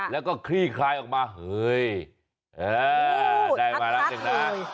แล้วก็คลี่คลายออกมาเฮ้ยได้มาแล้วหนึ่งนะ